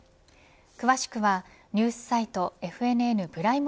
詳しくはニュースサイトＦＮＮプライム